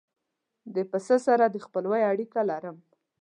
د هغه پسه سره د خپلوۍ اړیکه لرم.